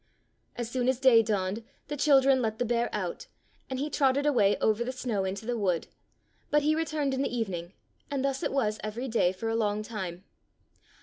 As soon as day dawned the children let the bear out, and he trotted away over the snow into the wood, but he returned in the even ing, and thus it was every day for a longtime.